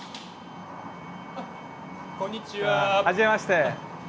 はじめまして。